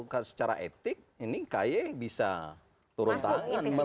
karena secara etik ini kayak bisa turun tangan